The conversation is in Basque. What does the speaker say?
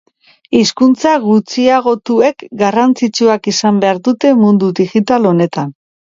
Hizkuntza gutxiagotuek garrantzitsuak izan behar dute mundu digital honetan